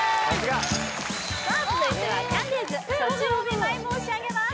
さあ続いてはキャンディーズ「暑中お見舞い申し上げます」